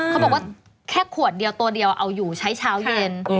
เขาบอกว่าแค่ขวดเดียวตัวเดียวเอาอยู่ใช้เช้าเย็น